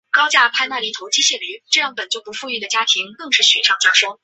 法国路易十四是他的教父。